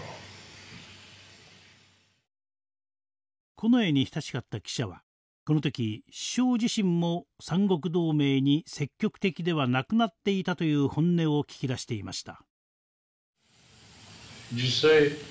近衛に親しかった記者はこの時首相自身も三国同盟に積極的ではなくなっていたという本音を聞き出していました。